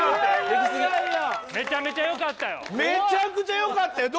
めちゃくちゃ良かったよ！